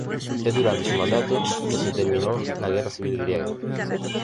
Es durante su mandato que se terminó la Guerra Civil griega.